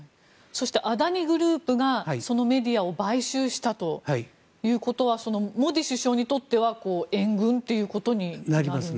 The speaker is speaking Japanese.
アダニ・グループがそのメディアを買収したということはモディ首相にとっては援軍ということになるんでしょうか。